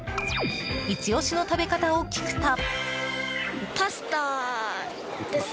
イチ押しの食べ方を聞くと。